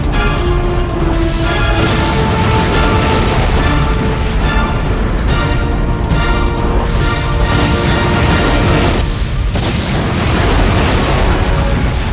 kau tidak akan kubiarkan lolos